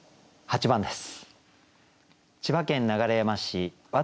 ８番です。